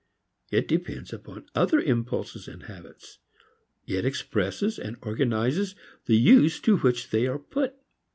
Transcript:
It depends upon other impulses and habits. It expresses and organizes the use to which they are put.